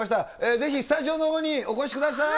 ぜひスタジオのほうにお越しください。